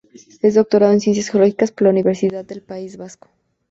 Es doctora en Ciencias Geológicas por la Universidad del País Vasco.